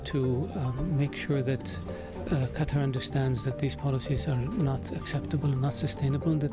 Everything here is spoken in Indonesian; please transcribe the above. untuk memastikan qatar mengerti bahwa polisi ini tidak terima dan tidak berkelanjutan